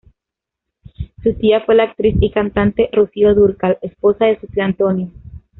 Su tía fue la actriz y cantante Rocío Dúrcal, esposa de su tío Antonio.